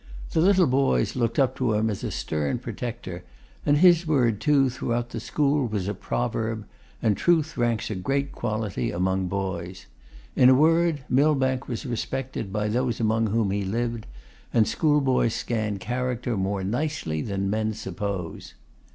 The little boys looked up to him as a stern protector; and his word, too, throughout the school was a proverb: and truth ranks a great quality among boys. In a word, Millbank was respected by those among whom he lived; and school boys scan character more nicely than men suppose.